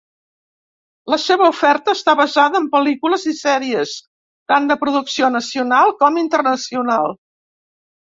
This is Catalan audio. La seva oferta està basada en pel·lícules i sèries, tant de producció nacional com internacional.